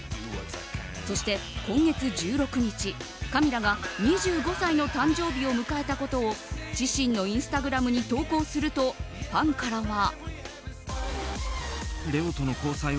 そして今月１６日カミラが２５歳の誕生日を迎えたことを、自身のインスタグラムに投稿するとファンからは。